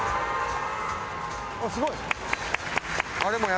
あっすごい！